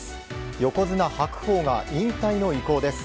横綱・白鵬が引退の意向です。